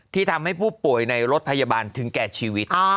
ทำให้ผู้ป่วยในรถพยาบาลถึงแก่ชีวิต